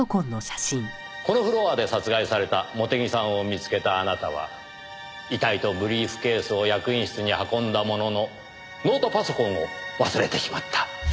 このフロアで殺害された茂手木さんを見つけたあなたは遺体とブリーフケースを役員室に運んだもののノートパソコンを忘れてしまった。